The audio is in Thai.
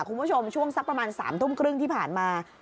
คุณผู้ชมช่วงสักประมาณ๓ทุ่มครึ่งที่ผ่านมา